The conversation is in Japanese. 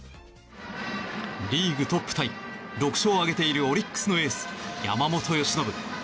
リーグトップタイ６勝を挙げているオリックスのエース、山本由伸。